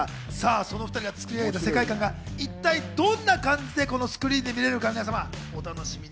そのお２人が作り上げた世界感が一体どんな感じでスクリーンで見れるか、皆様、お楽しみに。